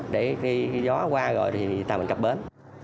để khi gió qua rồi thì tàu mình cập bến